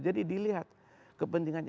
jadi dilihat kepentingannya